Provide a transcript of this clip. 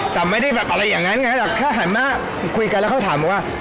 แต่ไม่ได้แบบอะไรอย่างนั้นไงแต่แค่หันมาคุยกันแล้วเขาถามว่า